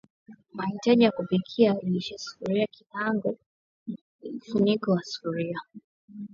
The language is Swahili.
Mahitaji ya kupikia viazi lishe Sufuria kikaango mfuniko wa sufuria